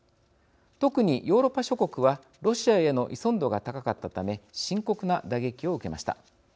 特にヨーロッパ諸国はロシアへの依存度が高かったため深刻な打撃を受けました。